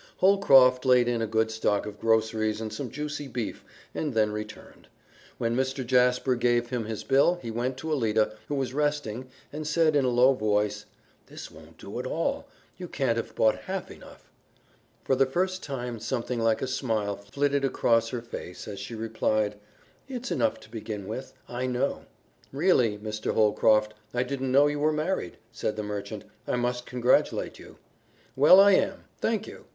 Holcroft laid in a good stock of groceries and some juicy beef and then returned. When Mr. Jasper gave him his bill, he went to Alida, who was resting, and said in a low voice, "This won't do at all. You can't have bought half enough." For the first time something like a smile flitted across her face as she replied, "It's enough to begin with. I know." "Really, Mr. Holcroft, I didn't know you were married," said the merchant. "I must congratulate you." "Well, I am. Thank you.